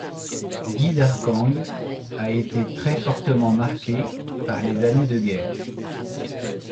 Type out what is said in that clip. Guy d’Arcangues a été très fortement marqué par les années de guerre.